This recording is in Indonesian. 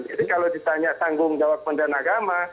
jadi kalau ditanya tanggung jawab pendana agama